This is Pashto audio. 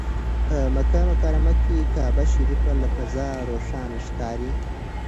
په مکه مکرمه کې کعبه شریفه له فضا روښانه ښکاري.